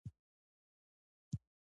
باچا ویل ما یې پهلوانان مات کړي دي.